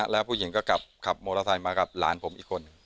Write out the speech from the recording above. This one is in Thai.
แล้วผู้หญิงก็กลับขับมอเตอร์ไซค์มากับหลานผมอีกคน